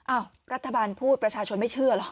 รัฐบาลพูดประชาชนไม่เชื่อเหรอ